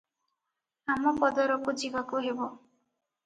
ଆମପଦରକୁ ଯିବାକୁ ହେବ ।